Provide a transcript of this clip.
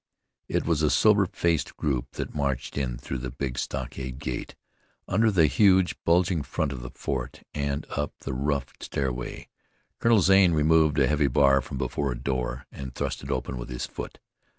It was a sober faced group that marched in through the big stockade gate, under the huge, bulging front of the fort, and up the rough stairway. Colonel Zane removed a heavy bar from before a door, and thrust it open with his foot.